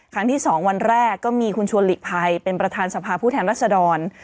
ครั้งที่๒วันแรกก็มีคุณชวนหลีกภัยเป็นประธานสภาผู้แทนรัศดร